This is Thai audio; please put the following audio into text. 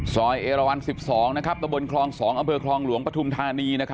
ซอยเอระวันสิบสองนะครับตะบทครองสองอำเภอครองหลวงปธุมธรณีนะครับ